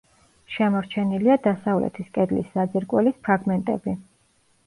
შემორჩენილია დასავლეთის კედლის საძირკველის ფრაგმენტები.